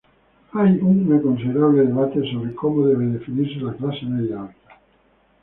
Hay un considerable debate sobre cómo debe definirse la clase media alta.